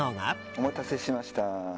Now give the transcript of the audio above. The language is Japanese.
お待たせしました。